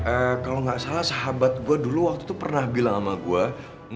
eh kalau nggak salah sahabat gue dulu waktu itu pernah bilang sama gue